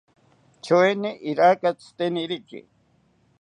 Choeni iraka tziteniriki